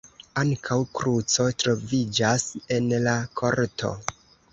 Ankaŭ kruco troviĝas en la korto.